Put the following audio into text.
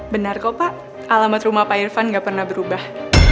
benar kok pak alamat rumah pak irfan nggak pernah berubah